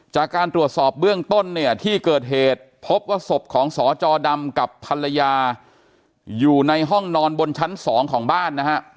จากการตรวจสอบเบื้องต้นเนี่ยที่เกิดเหตุพบว่าศพของสจดำกับภรรยาอยู่ในห้องนอนบนชั้น๒ของบ้านนะฮะ